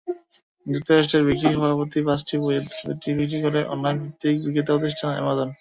যুক্তরাষ্ট্রের বিক্রি হওয়া প্রতি পাঁচটি বইয়ের দুটি বিক্রি করে অনলাইনভিত্তিক বিক্রেতাপ্রতিষ্ঠান অ্যামাজন।